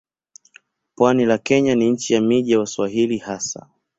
Pwani la Kenya ni nchi ya miji ya Waswahili hasa.